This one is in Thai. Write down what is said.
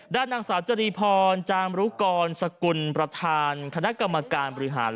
ด้านนางสาวจรีพรจามรุกรสกุลประธานคณะกรรมการบริหาร